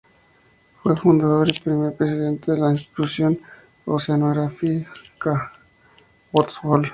Fue fundador y primer presidente de la Institución Oceanográfica Woods Hole.